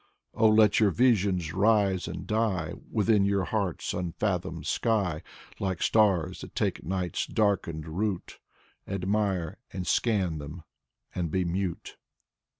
Oh, let your visions rise and die Within your heart's unfathomed sky. Like stars that take night's darkened route. Admire and scan them and be mute.